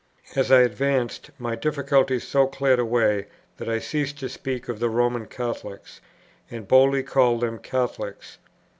As I advanced, my difficulties so cleared away that I ceased to speak of "the Roman Catholics," and boldly called them Catholics.